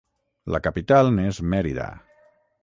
La capital n'és Mèrida.